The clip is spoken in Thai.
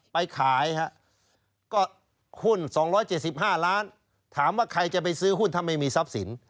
ไปขายฮะก็หุ้น๒๗๕ล้านถามว่าใครจะไปซื้อหุ้นถ้าไม่มีทรัพย์สิน